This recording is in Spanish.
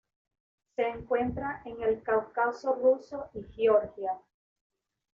Se encuentra en el Cáucaso ruso y Georgia.